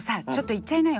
言っちゃいなよ。